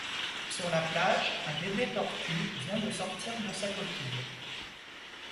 Sur la plage, un bébé tortue vient de sortir de sa coquille.